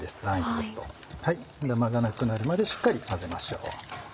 ダマがなくなるまでしっかり混ぜましょう。